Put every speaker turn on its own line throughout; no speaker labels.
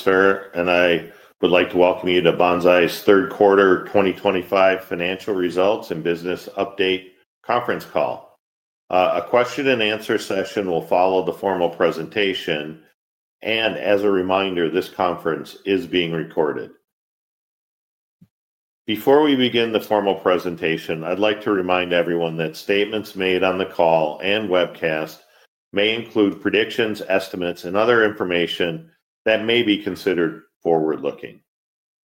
Sir, and I would like to welcome you to Banzai's Third Quarter 2025 Financial Results and business update conference call. A question-and-answer session will follow the formal presentation, and as a reminder, this conference is being recorded. Before we begin the formal presentation, I'd like to remind everyone that statements made on the call and webcast may include predictions, estimates, and other information that may be considered forward-looking.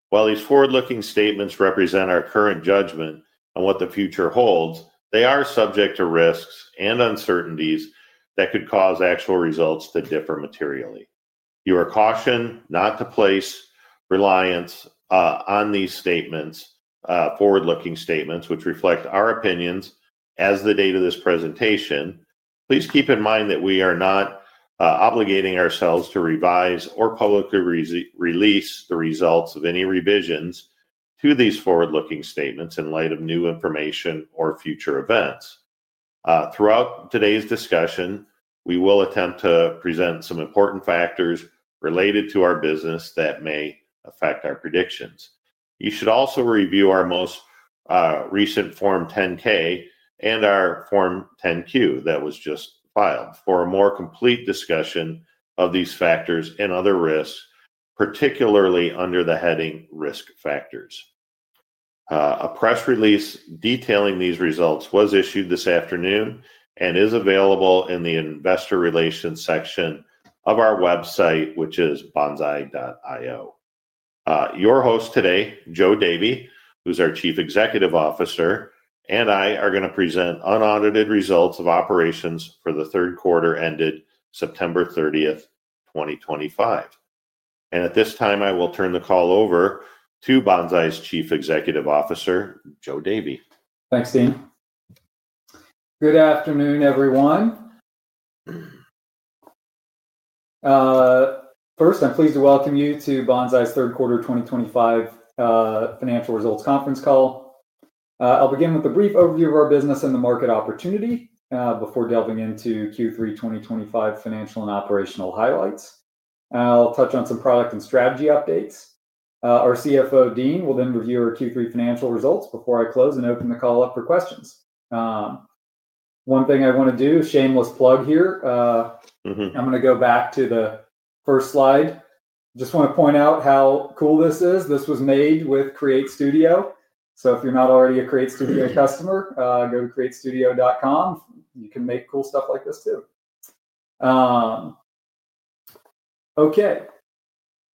While these forward-looking statements represent our current judgment on what the future holds, they are subject to risks and uncertainties that could cause actual results to differ materially. You are cautioned not to place reliance on these statements, forward-looking statements, which reflect our opinions as of the date of this presentation. Please keep in mind that we are not obligating ourselves to revise or publicly release the results of any revisions to these forward-looking statements in light of new information or future events. Throughout today's discussion, we will attempt to present some important factors related to our business that may affect our predictions. You should also review our most recent Form 10-K and our Form 10-Q that was just filed for a more complete discussion of these factors and other risks, particularly under the heading Risk Factors. A press release detailing these results was issued this afternoon and is available in the Investor Relations section of our website, which is banzai.io. Your host today, Joe Davy, who's our Chief Executive Officer, and I are going to present unaudited results of operations for the third quarter ended September 30th, 2025. At this time, I will turn the call over to Banzai's Chief Executive Officer, Joe Davy.
Thanks, Dean. Good afternoon, everyone. First, I'm pleased to welcome you to Banzai's Third Quarter 2025 Financial Results conference call. I'll begin with a brief overview of our business and the market opportunity before delving into Q3 2025 financial and operational highlights. I'll touch on some product and strategy updates. Our CFO, Dean, will then review our Q3 financial results before I close and open the call up for questions. One thing I want to do, shameless plug here, I'm going to go back to the first slide. Just want to point out how cool this is. This was made with CreateStudio. If you're not already a CreateStudio customer, go to createstudio.com. You can make cool stuff like this too. Okay.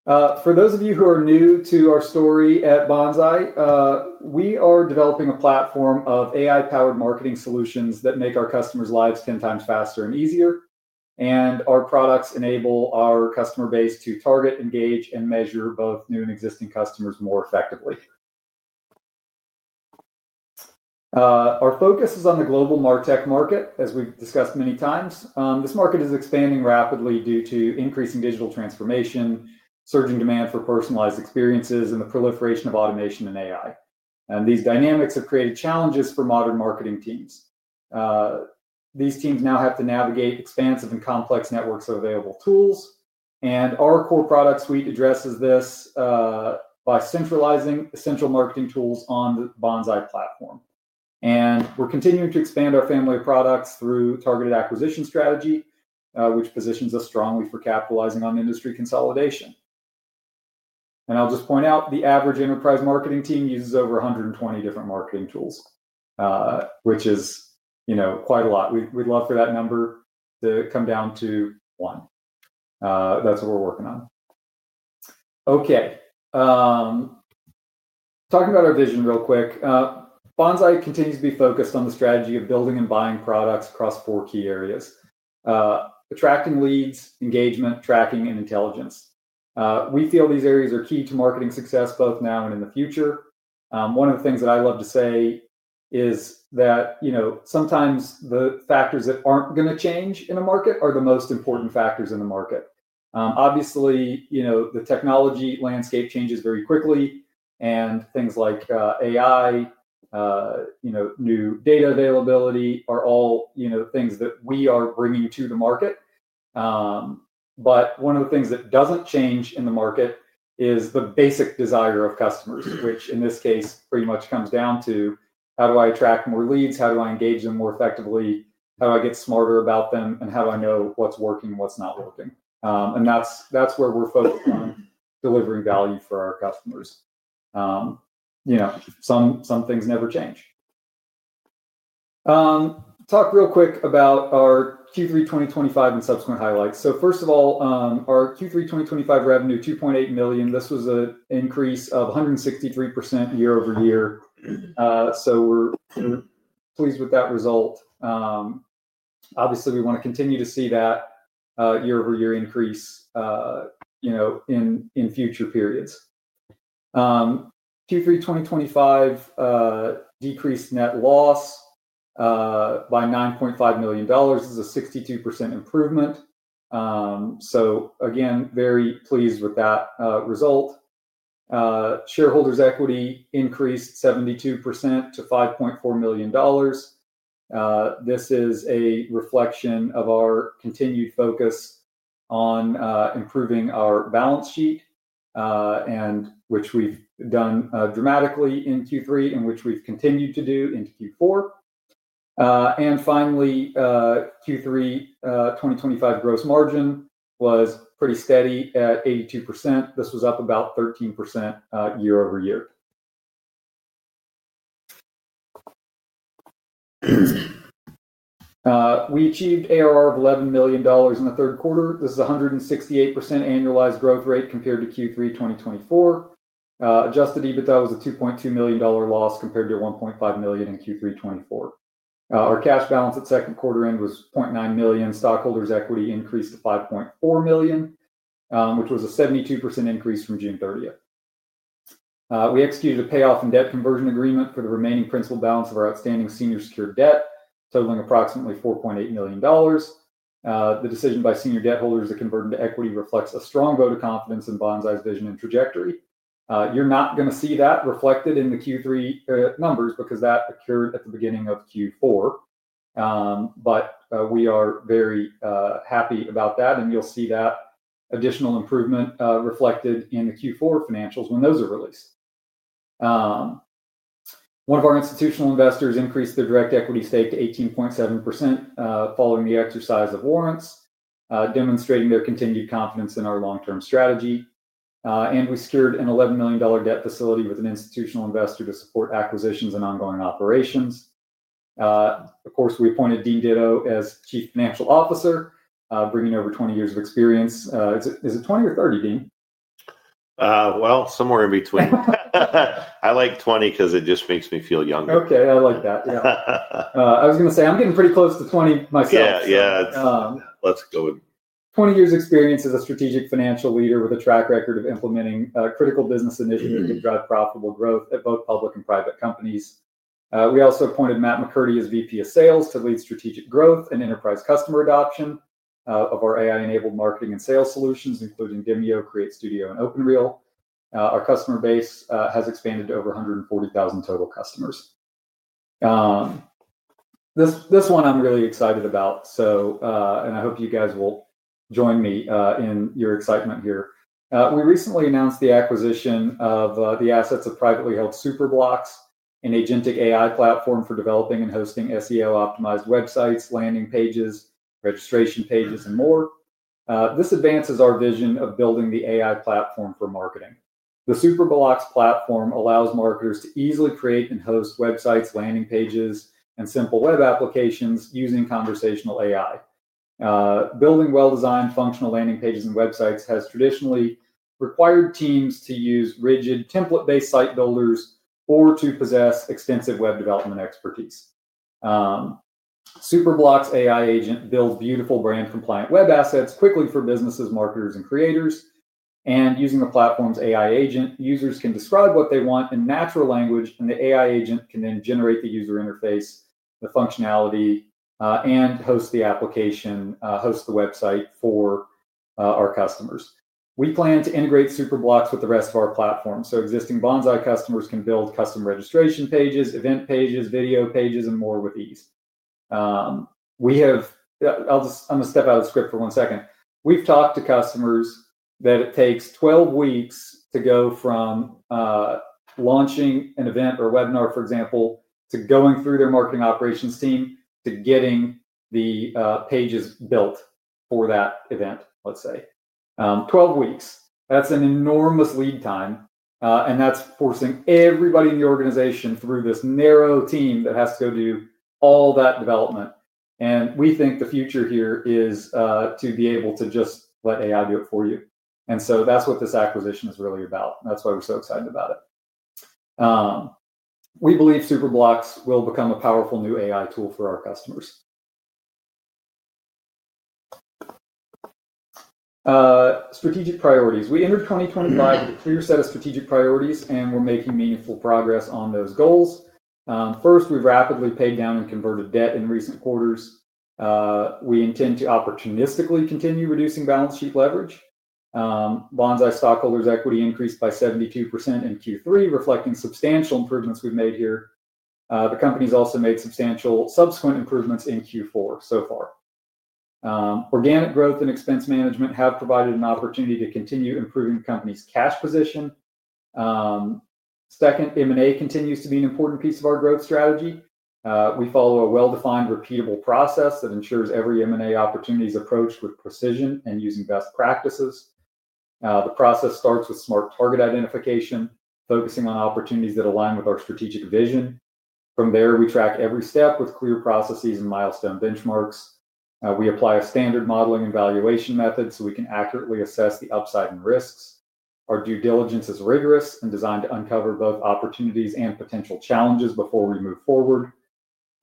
For those of you who are new to our story at Banzai, we are developing a platform of AI-powered marketing solutions that make our customers' lives 10x faster and easier. Our products enable our customer base to target, engage, and measure both new and existing customers more effectively. Our focus is on the global MarTech market, as we've discussed many times. This market is expanding rapidly due to increasing digital transformation, surging demand for personalized experiences, and the proliferation of automation and AI. These dynamics have created challenges for modern marketing teams. These teams now have to navigate expansive and complex networks of available tools. Our core product suite addresses this by centralizing essential marketing tools on the Banzai platform. We're continuing to expand our family of products through targeted acquisition strategy, which positions us strongly for capitalizing on industry consolidation. I'll just point out the average enterprise marketing team uses over 120 different marketing tools, which is quite a lot. We'd love for that number to come down to one. That's what we're working on. Okay. Talking about our vision real quick, Banzai continues to be focused on the strategy of building and buying products across four key areas: attracting leads, engagement, tracking, and intelligence. We feel these areas are key to marketing success both now and in the future. One of the things that I love to say is that sometimes the factors that aren't going to change in a market are the most important factors in the market. Obviously, the technology landscape changes very quickly, and things like AI, new data availability, are all things that we are bringing to the market. One of the things that doesn't change in the market is the basic desire of customers, which in this case pretty much comes down to, how do I attract more leads? How do I engage them more effectively? How do I get smarter about them? How do I know what's working and what's not working? That's where we're focused on delivering value for our customers. Some things never change. Talk real quick about our Q3 2025 and subsequent highlights. First of all, our Q3 2025 revenue, $2.8 million. This was an increase of 163% year-over-year. We're pleased with that result. Obviously, we want to continue to see that year-over-year increase in future periods. Q3 2025 decreased net loss by $9.5 million is a 62% improvement. Again, very pleased with that result. Shareholders' equity increased 72% to $5.4 million. This is a reflection of our continued focus on improving our balance sheet, which we've done dramatically in Q3 and which we've continued to do in Q4. Finally, Q3 2025 gross margin was pretty steady at 82%. This was up about 13% year-over-year. We achieved ARR of $11 million in the third quarter. This is a 168% annualized growth rate compared to Q3 2024. Adjusted EBITDA was a $2.2 million loss compared to $1.5 million in Q3 2024. Our cash balance at second quarter end was $0.9 million. Stockholders' equity increased to $5.4 million, which was a 72% increase from June 30th. We executed a payoff and debt conversion agreement for the remaining principal balance of our outstanding senior secured debt, totaling approximately $4.8 million. The decision by senior debt holders to convert into equity reflects a strong vote of confidence in Banzai's vision and trajectory. You're not going to see that reflected in the Q3 numbers because that occurred at the beginning of Q4. We are very happy about that. You'll see that additional improvement reflected in the Q4 financials when those are released. One of our institutional investors increased their direct equity stake to 18.7% following the exercise of warrants, demonstrating their continued confidence in our long-term strategy. We secured an $11 million debt facility with an institutional investor to support acquisitions and ongoing operations. Of course, we appointed Dean Ditto as Chief Financial Officer, bringing over 20 years of experience. Is it 20 or 30, Dean?
Somewhere in between. I like 20 because it just makes me feel younger.
Okay. I like that. Yeah. I was going to say I'm getting pretty close to 20 myself.
Yeah. Yeah. Let's go with.
20 years experience as a strategic financial leader with a track record of implementing critical business initiatives that drive profitable growth at both public and private companies. We also appointed Matt McCurdy as VP of Sales to lead strategic growth and enterprise customer adoption of our AI-enabled marketing and sales solutions, including Demio, CreateStudio, and OpenReel. Our customer base has expanded to over 140,000 total customers. This one I'm really excited about, and I hope you guys will join me in your excitement here. We recently announced the acquisition of the assets of privately held Superblocks, an agentic AI platform for developing and hosting SEO-optimized websites, landing pages, registration pages, and more. This advances our vision of building the AI platform for marketing. The Superblocks platform allows marketers to easily create and host websites, landing pages, and simple web applications using conversational AI. Building well-designed, functional landing pages and websites has traditionally required teams to use rigid template-based site builders or to possess extensive web development expertise. Superblocks AI agent builds beautiful brand-compliant web assets quickly for businesses, marketers, and creators. Using the platform's AI agent, users can describe what they want in natural language, and the AI agent can then generate the user interface, the functionality, and host the application, host the website for our customers. We plan to integrate Superblocks with the rest of our platform so existing Banzai customers can build custom registration pages, event pages, video pages, and more with ease. I'm going to step out of the script for one second. We've talked to customers that it takes 12 weeks to go from launching an event or webinar, for example, to going through their marketing operations team to getting the pages built for that event, let's say. 12 weeks. That's an enormous lead time. That's forcing everybody in the organization through this narrow team that has to go do all that development. We think the future here is to be able to just let AI do it for you. That's what this acquisition is really about. That's why we're so excited about it. We believe Superblocks will become a powerful new AI tool for our customers. Strategic priorities. We entered 2025 with a clear set of strategic priorities, and we're making meaningful progress on those goals. First, we've rapidly paid down and converted debt in recent quarters. We intend to opportunistically continue reducing balance sheet leverage. Banzai stockholders' equity increased by 72% in Q3, reflecting substantial improvements we've made here. The company has also made substantial subsequent improvements in Q4 so far. Organic growth and expense management have provided an opportunity to continue improving the company's cash position. Second, M&A continues to be an important piece of our growth strategy. We follow a well-defined, repeatable process that ensures every M&A opportunity is approached with precision and using best practices. The process starts with smart target identification, focusing on opportunities that align with our strategic vision. From there, we track every step with clear processes and milestone benchmarks. We apply a standard modeling and valuation method so we can accurately assess the upside and risks. Our due diligence is rigorous and designed to uncover both opportunities and potential challenges before we move forward.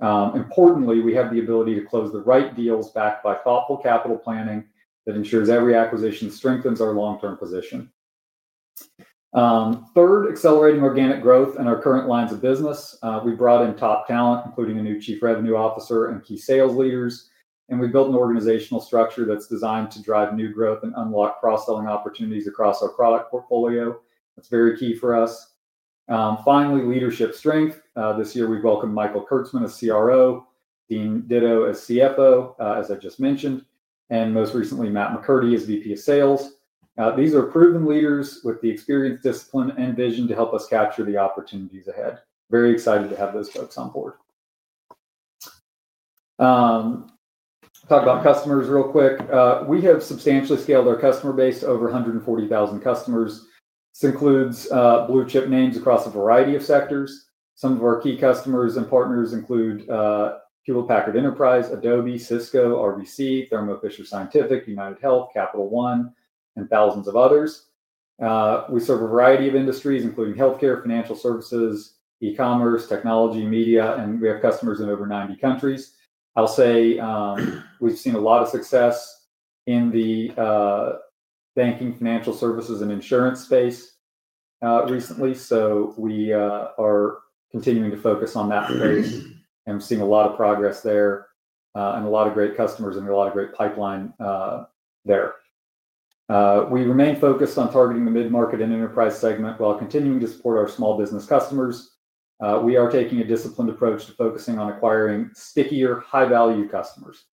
Importantly, we have the ability to close the right deals backed by thoughtful capital planning that ensures every acquisition strengthens our long-term position. Third, accelerating organic growth in our current lines of business. We brought in top talent, including a new Chief Revenue Officer and key sales leaders. We built an organizational structure that's designed to drive new growth and unlock cross-selling opportunities across our product portfolio. That's very key for us. Finally, leadership strength. This year, we've welcomed Michael Kurtzman as CRO, Dean Ditto as CFO, as I just mentioned, and most recently, Matt McCurdy as VP of Sales. These are proven leaders with the experience, discipline, and vision to help us capture the opportunities ahead. Very excited to have those folks on board. Talk about customers real quick. We have substantially scaled our customer base to over 140,000 customers. This includes blue-chip names across a variety of sectors. Some of our key customers and partners include Hewlett Packard Enterprise, Adobe, Cisco, RBC, Thermo Fisher Scientific, UnitedHealth, Capital One, and thousands of others. We serve a variety of industries, including healthcare, financial services, e-commerce, technology, media, and we have customers in over 90 countries. I'll say we've seen a lot of success in the banking, financial services, and insurance space recently. We are continuing to focus on that space and seeing a lot of progress there and a lot of great customers and a lot of great pipeline there. We remain focused on targeting the mid-market and enterprise segment while continuing to support our small business customers. We are taking a disciplined approach to focusing on acquiring stickier, high-value customers.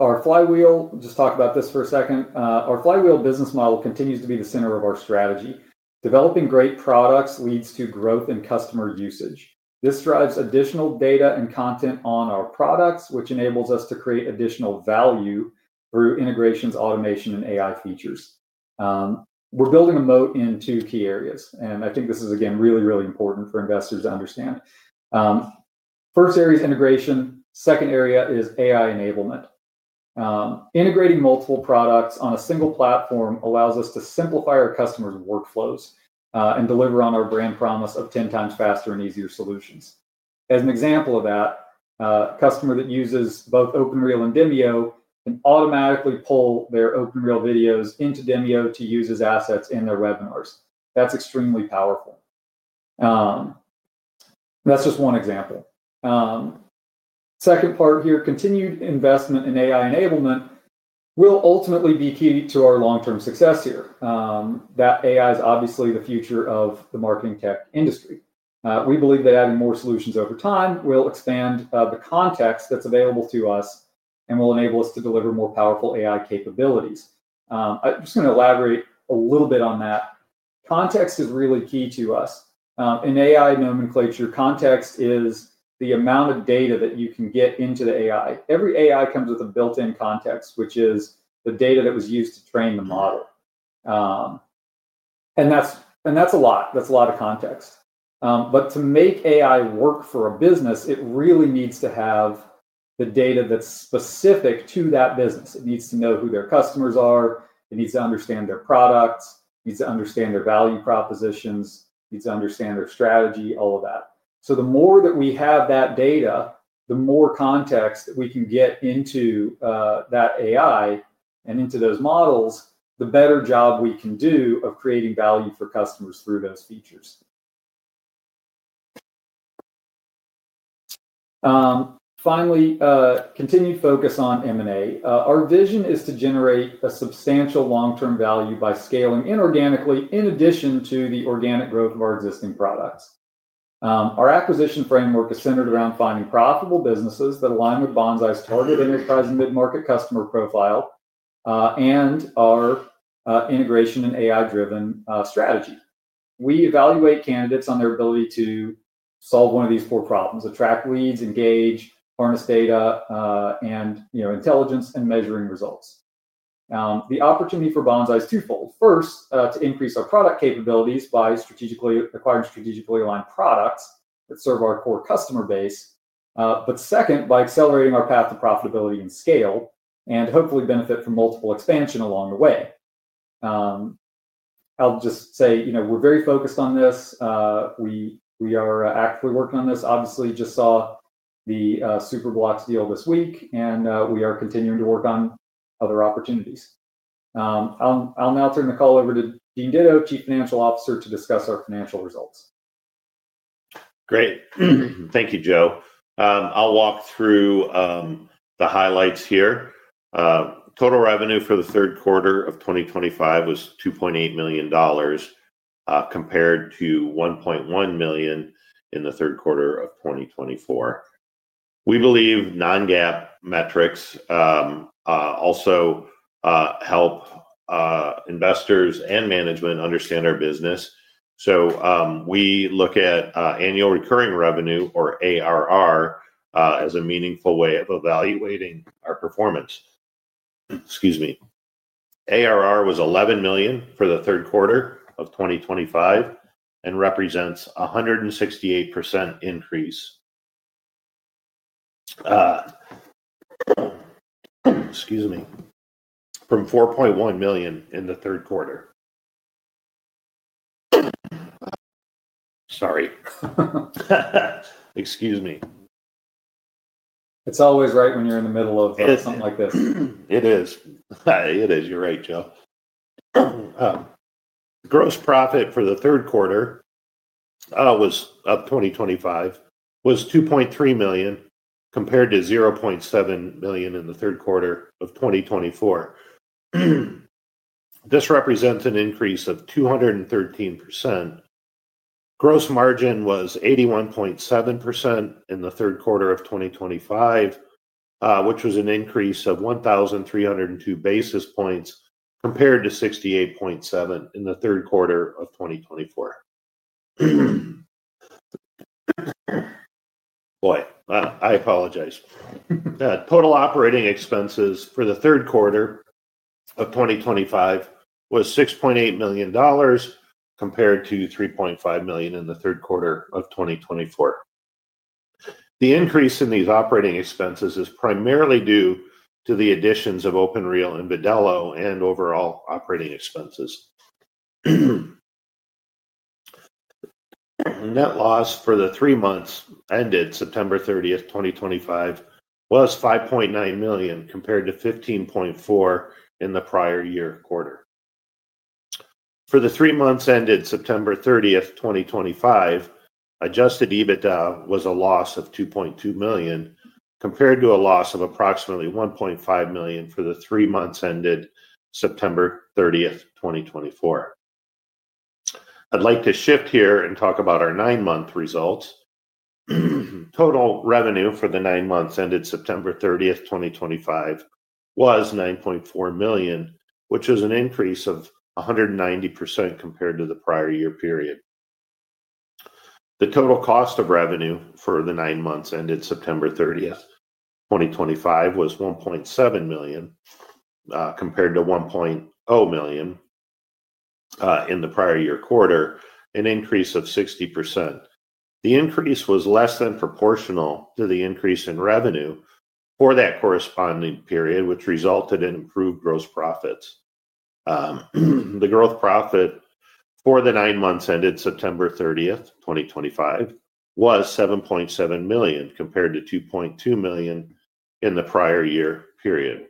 Our flywheel—just talk about this for a second—our flywheel business model continues to be the center of our strategy. Developing great products leads to growth in customer usage. This drives additional data and content on our products, which enables us to create additional value through integrations, automation, and AI features. We're building a moat in two key areas. I think this is, again, really, really important for investors to understand. First area is integration. Second area is AI enablement. Integrating multiple products on a single platform allows us to simplify our customers' workflows and deliver on our brand promise of 10x faster and easier solutions. As an example of that, a customer that uses both OpenReel and Demio can automatically pull their OpenReel videos into Demio to use as assets in their webinars. That's extremely powerful. That's just one example. Second part here, continued investment in AI enablement will ultimately be key to our long-term success here. That AI is obviously the future of the marketing tech industry. We believe that adding more solutions over time will expand the context that's available to us and will enable us to deliver more powerful AI capabilities. I'm just going to elaborate a little bit on that. Context is really key to us. In AI nomenclature, context is the amount of data that you can get into the AI. Every AI comes with a built-in context, which is the data that was used to train the model. That's a lot. That's a lot of context. To make AI work for a business, it really needs to have the data that's specific to that business. It needs to know who their customers are. It needs to understand their products. It needs to understand their value propositions. It needs to understand their strategy, all of that. The more that we have that data, the more context that we can get into that AI and into those models, the better job we can do of creating value for customers through those features. Finally, continued focus on M&A. Our vision is to generate substantial long-term value by scaling inorganically in addition to the organic growth of our existing products. Our acquisition framework is centered around finding profitable businesses that align with Banzai's target enterprise and mid-market customer profile and our integration and AI-driven strategy. We evaluate candidates on their ability to solve one of these four problems: attract leads, engage, harness data and intelligence, and measuring results. The opportunity for Banzai is twofold. First, to increase our product capabilities by acquiring strategically aligned products that serve our core customer base. Second, by accelerating our path to profitability and scale and hopefully benefit from multiple expansions along the way. I'll just say we're very focused on this. We are actively working on this. Obviously, just saw the Superblocks deal this week, and we are continuing to work on other opportunities. I'll now turn the call over to Dean Ditto, Chief Financial Officer, to discuss our financial results.
Great. Thank you, Joe. I'll walk through the highlights here. Total revenue for the third quarter of 2025 was $2.8 million compared to $1.1 million in the third quarter of 2024. We believe non-GAAP metrics also help investors and management understand our business. So we look at annual recurring revenue, or ARR, as a meaningful way of evaluating our performance. Excuse me. ARR was $11 million for the third quarter of 2025 and represents a 168% increase from $4.1 million in the third quarter. Sorry. Excuse me.
It's always right when you're in the middle of something like this.
It is. It is. You're right, Joe. Gross profit for the third quarter of 2025 was $2.3 million compared to $0.7 million in the third quarter of 2024. This represents an increase of 213%. Gross margin was 81.7% in the third quarter of 2025, which was an increase of 1,302 basis points compared to 68.7% in the third quarter of 2024. Boy, I apologize. Total operating expenses for the third quarter of 2025 was $6.8 million compared to $3.5 million in the third quarter of 2024. The increase in these operating expenses is primarily due to the additions of OpenReel and Vidello and overall operating expenses. Net loss for the three months ended September 30th, 2025, was $5.9 million compared to $15.4 million in the prior year quarter. For the three months ended September 30th, 2025, adjusted EBITDA was a loss of $2.2 million compared to a loss of approximately $1.5 million for the three months ended September 30th, 2024. I'd like to shift here and talk about our nine-month results. Total revenue for the nine months ended September 30th, 2025, was $9.4 million, which was an increase of 190% compared to the prior year period. The total cost of revenue for the nine months ended September 30th, 2025, was $1.7 million compared to $1.0 million in the prior year period, an increase of 60%. The increase was less than proportional to the increase in revenue for that corresponding period, which resulted in improved gross profits. The gross profit for the nine months ended September 30th, 2025, was $7.7 million compared to $2.2 million in the prior year period.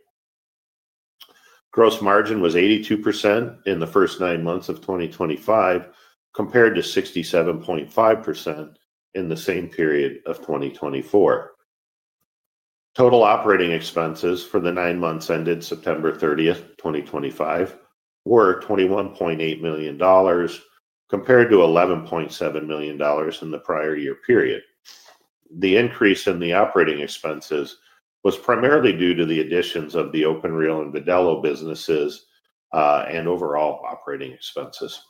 Gross margin was 82% in the first nine months of 2025 compared to 67.5% in the same period of 2024. Total operating expenses for the nine months ended September 30th, 2025, were $21.8 million compared to $11.7 million in the prior year period. The increase in the operating expenses was primarily due to the additions of the OpenReel and Vidello businesses and overall operating expenses.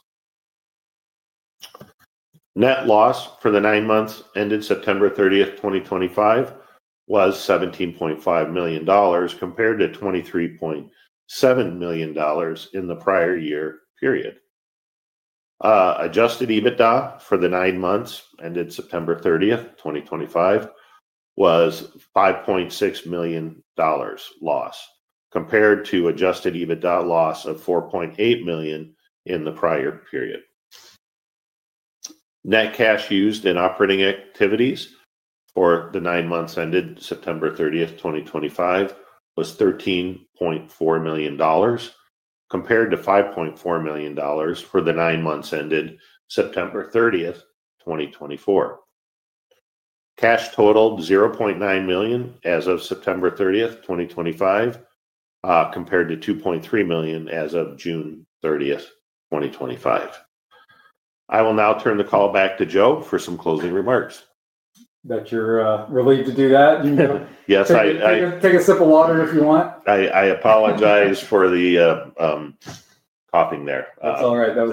Net loss for the nine months ended September 30th, 2025, was $17.5 million compared to $23.7 million in the prior year period. Adjusted EBITDA for the nine months ended September 30th, 2025, was $5.6 million loss compared to adjusted EBITDA loss of $4.8 million in the prior period. Net cash used in operating activities for the nine months ended September 30th, 2025, was $13.4 million compared to $5.4 million for the nine months ended September 30th, 2024. Cash totaled $0.9 million as of September 30th, 2025, compared to $2.3 million as of June 30th, 2025. I will now turn the call back to Joe for some closing remarks.
Bet you're relieved to do that.
Yes.
Take a sip of water if you want.
I apologize for the coughing there.
That's all right. That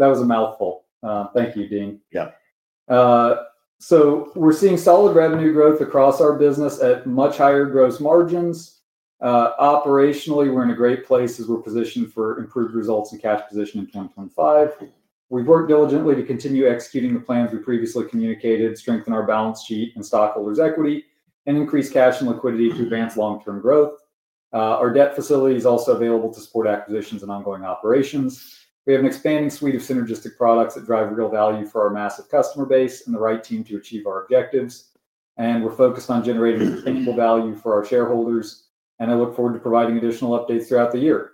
was a mouthful. Thank you, Dean.
Yeah.
We are seeing solid revenue growth across our business at much higher gross margins. Operationally, we are in a great place as we are positioned for improved results and cash position in 2025. We have worked diligently to continue executing the plans we previously communicated, strengthen our balance sheet and stockholders' equity, and increase cash and liquidity to advance long-term growth. Our debt facility is also available to support acquisitions and ongoing operations. We have an expanding suite of synergistic products that drive real value for our massive customer base and the right team to achieve our objectives. We are focused on generating sustainable value for our shareholders. I look forward to providing additional updates throughout the year.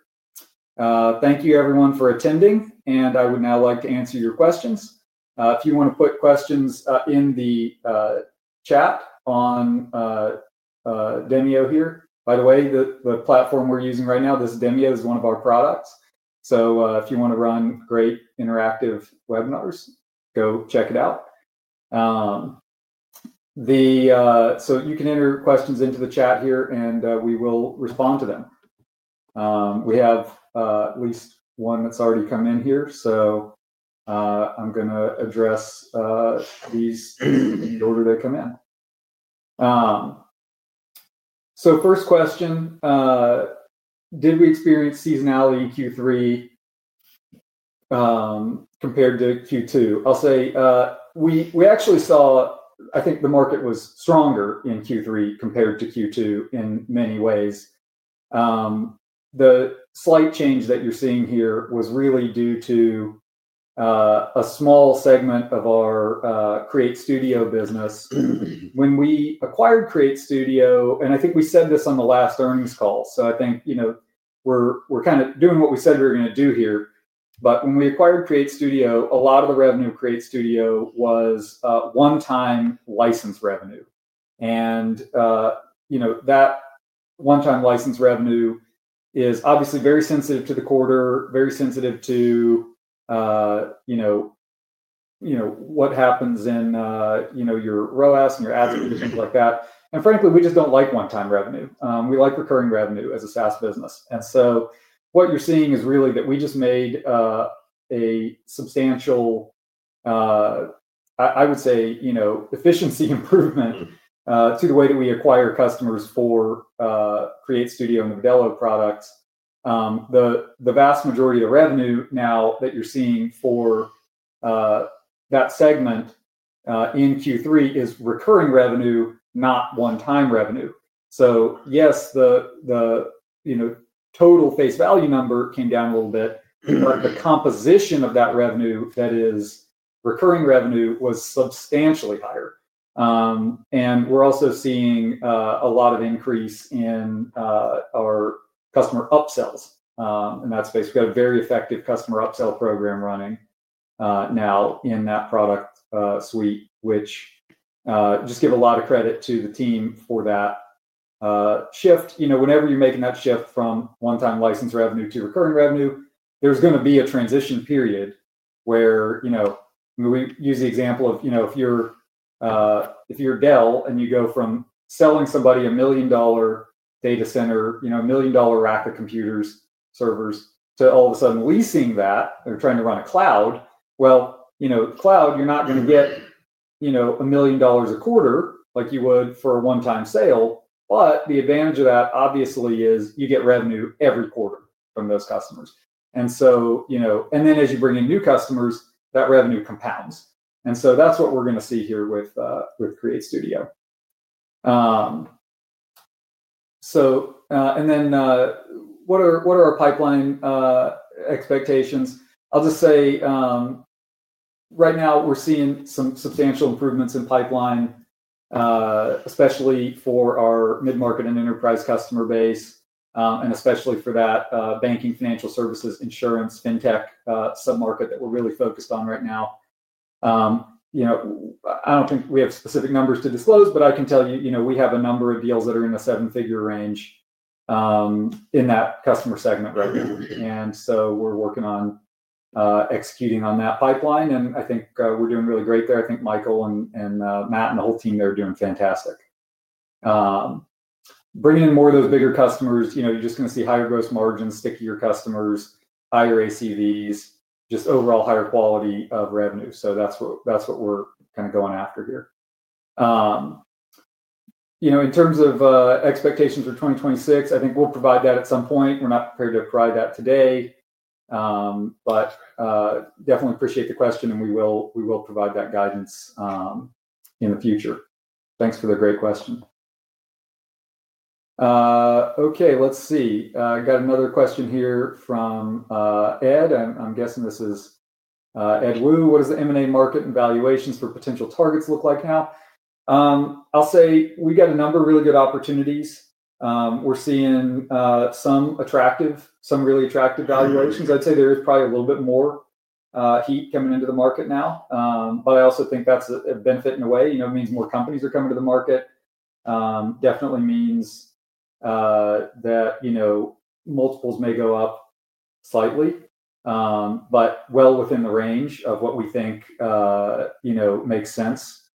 Thank you, everyone, for attending. I would now like to answer your questions. If you want to put questions in the chat on Demio here. By the way, the platform we're using right now, this Demio is one of our products. If you want to run great interactive webinars, go check it out. You can enter questions into the chat here, and we will respond to them. We have at least one that's already come in here. I'm going to address these in the order they come in. First question, did we experience seasonality in Q3 compared to Q2? I'll say we actually saw, I think the market was stronger in Q3 compared to Q2 in many ways. The slight change that you're seeing here was really due to a small segment of our CreateStudio business. When we acquired CreateStudio, and I think we said this on the last earnings call, I think we're kind of doing what we said we were going to do here. When we acquired CreateStudio, a lot of the revenue of CreateStudio was one-time license revenue. That one-time license revenue is obviously very sensitive to the quarter, very sensitive to what happens in your ROAS and your ads and things like that. Frankly, we just do not like one-time revenue. We like recurring revenue as a SaaS business. What you are seeing is really that we just made a substantial, I would say, efficiency improvement to the way that we acquire customers for CreateStudio and the Vidello products. The vast majority of the revenue now that you are seeing for that segment in Q3 is recurring revenue, not one-time revenue. Yes, the total face value number came down a little bit, but the composition of that revenue that is recurring revenue was substantially higher. We're also seeing a lot of increase in our customer upsells. That's basically a very effective customer upsell program running now in that product suite, which just gives a lot of credit to the team for that shift. Whenever you're making that shift from one-time license revenue to recurring revenue, there's going to be a transition period where we use the example of if you're Dell and you go from selling somebody a $1 million data center, a $1 million rack of computers, servers, to all of a sudden leasing that or trying to run a cloud, cloud, you're not going to get $1 million a quarter like you would for a one-time sale. The advantage of that, obviously, is you get revenue every quarter from those customers. As you bring in new customers, that revenue compounds. That is what we are going to see here with CreateStudio. What are our pipeline expectations? I'll just say right now, we are seeing some substantial improvements in pipeline, especially for our mid-market and enterprise customer base, and especially for that banking, financial services, insurance, fintech sub-market that we are really focused on right now. I do not think we have specific numbers to disclose, but I can tell you we have a number of deals that are in the seven-figure range in that customer segment right now. We are working on executing on that pipeline. I think we are doing really great there. I think Michael and Matt and the whole team there are doing fantastic. Bringing in more of those bigger customers, you are just going to see higher gross margins, stickier customers, higher ACVs, just overall higher quality of revenue. That's what we're kind of going after here. In terms of expectations for 2026, I think we'll provide that at some point. We're not prepared to provide that today, but definitely appreciate the question, and we will provide that guidance in the future. Thanks for the great question. Okay. Let's see. I got another question here from Ed. I'm guessing this is Ed Wu. What does the M&A market and valuations for potential targets look like now? I'll say we got a number of really good opportunities. We're seeing some attractive, some really attractive valuations. I'd say there is probably a little bit more heat coming into the market now. I also think that's a benefit in a way. It means more companies are coming to the market. It definitely means that multiples may go up slightly, but well within the range of what we think makes sense.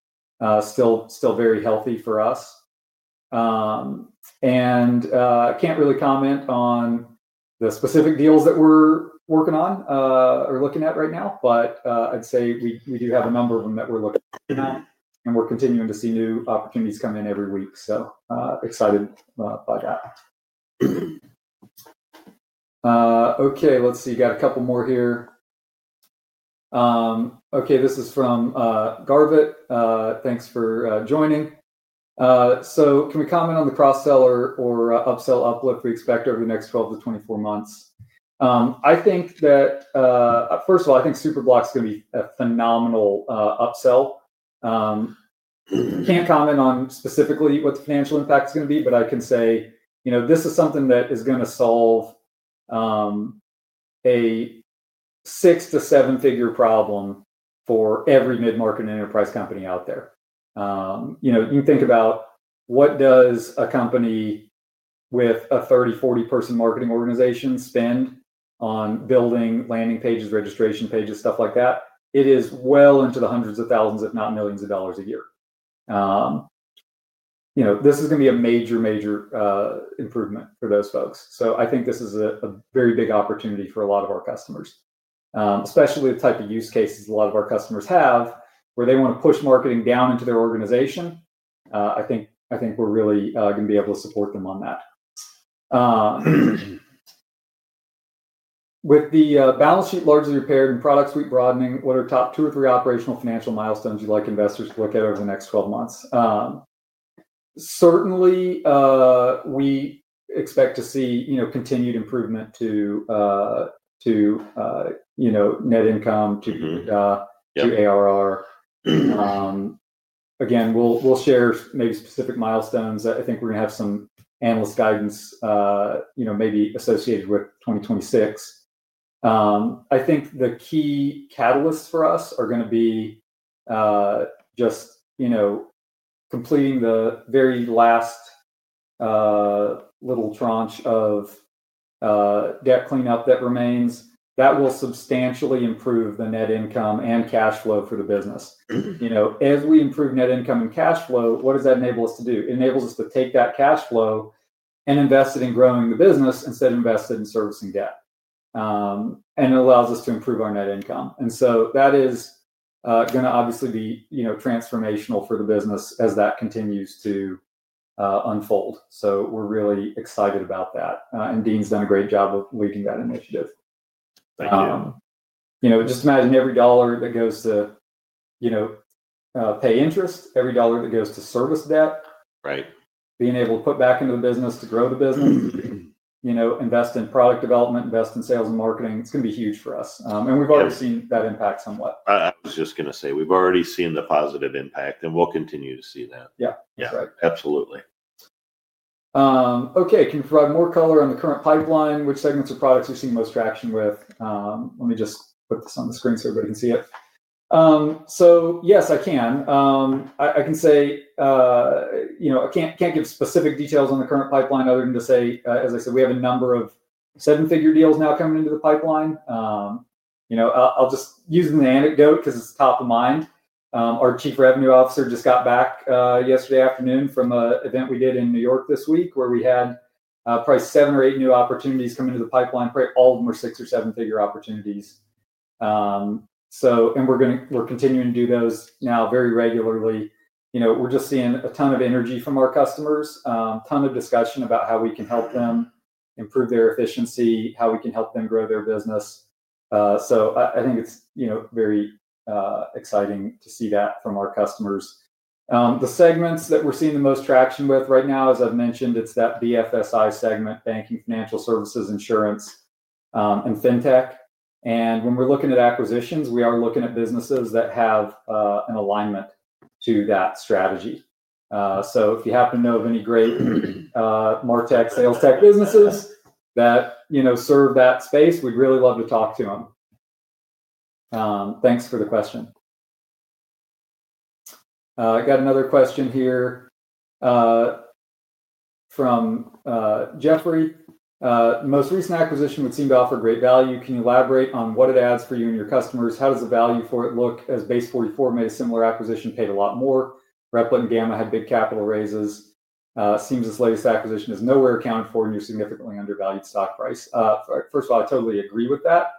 Still very healthy for us. I can't really comment on the specific deals that we're working on or looking at right now, but I'd say we do have a number of them that we're looking at. We're continuing to see new opportunities come in every week. Excited by that. Okay. Let's see. Got a couple more here. Okay. This is from Garvett. Thanks for joining. Can we comment on the cross-sell or upsell uplift we expect over the next 12-24 months? I think that, first of all, I think Superblocks is going to be a phenomenal upsell. Can't comment on specifically what the financial impact is going to be, but I can say this is something that is going to solve a six- to seven-figure problem for every mid-market and enterprise company out there. You can think about what does a company with a 30-40 person marketing organization spend on building landing pages, registration pages, stuff like that. It is well into the hundreds of thousands, if not millions of dollars a year. This is going to be a major, major improvement for those folks. I think this is a very big opportunity for a lot of our customers, especially the type of use cases a lot of our customers have where they want to push marketing down into their organization. I think we're really going to be able to support them on that. With the balance sheet largely repaired and product suite broadening, what are top two or three operational financial milestones you'd like investors to look at over the next 12 months? Certainly, we expect to see continued improvement to net income, to ARR. Again, we'll share maybe specific milestones. I think we're going to have some analyst guidance maybe associated with 2026. I think the key catalysts for us are going to be just completing the very last little tranche of debt cleanup that remains. That will substantially improve the net income and cash flow for the business. As we improve net income and cash flow, what does that enable us to do? It enables us to take that cash flow and invest it in growing the business instead of investing in servicing debt. It allows us to improve our net income. That is going to obviously be transformational for the business as that continues to unfold. We're really excited about that. Dean's done a great job of leading that initiative.
Thank you.
Just imagine every dollar that goes to pay interest, every dollar that goes to service debt, being able to put back into the business to grow the business, invest in product development, invest in sales and marketing. It is going to be huge for us. We have already seen that impact somewhat.
I was just going to say we've already seen the positive impact, and we'll continue to see that.
Yeah.
Yeah. Absolutely.
Okay. Can you provide more color on the current pipeline? Which segments of products are you seeing most traction with? Let me just put this on the screen so everybody can see it. Yes, I can. I can say I can't give specific details on the current pipeline other than to say, as I said, we have a number of seven-figure deals now coming into the pipeline. I'll just use an anecdote because it's top of mind. Our Chief Revenue Officer just got back yesterday afternoon from an event we did in New York this week where we had probably seven or eight new opportunities come into the pipeline. All of them were six- or seven-figure opportunities. We're continuing to do those now very regularly. We're just seeing a ton of energy from our customers, a ton of discussion about how we can help them improve their efficiency, how we can help them grow their business. I think it's very exciting to see that from our customers. The segments that we're seeing the most traction with right now, as I've mentioned, it's that BFSI segment, banking, financial services, insurance, and fintech. When we're looking at acquisitions, we are looking at businesses that have an alignment to that strategy. If you happen to know of any great MarTech, SalesTech businesses that serve that space, we'd really love to talk to them. Thanks for the question. I got another question here from Jeffrey. Most recent acquisition would seem to offer great value. Can you elaborate on what it adds for you and your customers? How does the value for it look as Base44 made a similar acquisition, paid a lot more? Replit and Gamma had big capital raises. Seems this latest acquisition is nowhere accounted for and you're significantly undervalued stock price. First of all, I totally agree with that.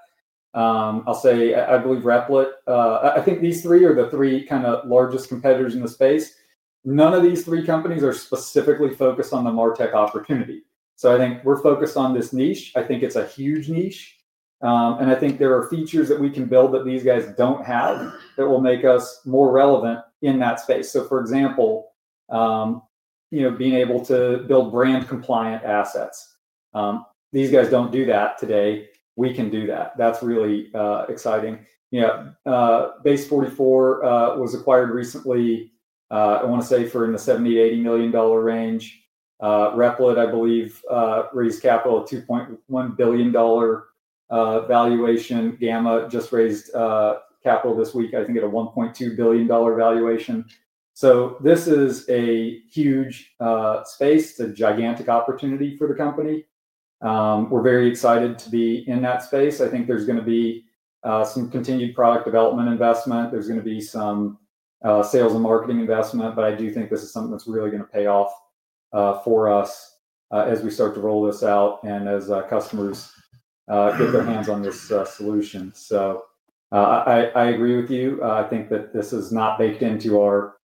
I'll say I believe Replit, I think these three are the three kind of largest competitors in the space. None of these three companies are specifically focused on the MarTech opportunity. I think we're focused on this niche. I think it's a huge niche. I think there are features that we can build that these guys don't have that will make us more relevant in that space. For example, being able to build brand-compliant assets. These guys don't do that today. We can do that. That's really exciting. Base44 was acquired recently, I want to say for in the $70 million-$80 million range. Replit, I believe, raised capital at a $2.1 billion valuation. Gamma just raised capital this week, I think, at a $1.2 billion valuation. This is a huge space. It is a gigantic opportunity for the company. We are very excited to be in that space. I think there is going to be some continued product development investment. There is going to be some sales and marketing investment. I do think this is something that is really going to pay off for us as we start to roll this out and as customers get their hands on this solution. I agree with you. I think that this is not baked into our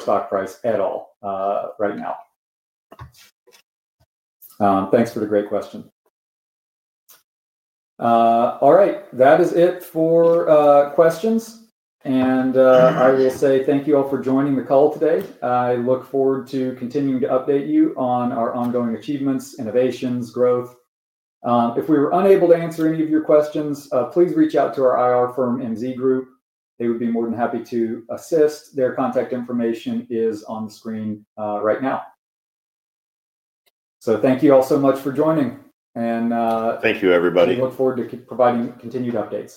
stock price at all right now. Thanks for the great question. All right. That is it for questions. I will say thank you all for joining the call today. I look forward to continuing to update you on our ongoing achievements, innovations, growth. If we were unable to answer any of your questions, please reach out to our IR firm MZ Group. They would be more than happy to assist. Their contact information is on the screen right now. Thank you all so much for joining.
Thank you, everybody.
We look forward to providing continued updates.